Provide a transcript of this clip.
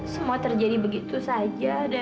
semua terjadi begitu saja